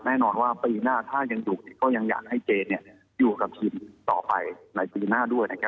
แน่นอนว่าปีหน้าถ้ายังดุกก็ยังอยากให้เจอยู่กับทีมต่อไปในปีหน้าด้วยนะครับ